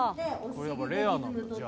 これやっぱレアなんだじゃあ。